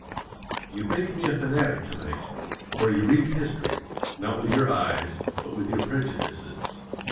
_ YOU THINK ME A FANATIC TO NIGHT, for you read history, _not with your eyes, BUT WITH YOUR PREJUDICES.